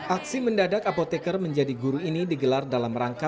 aksi mendadak apotekar menjadi guru ini digelar dalam rangka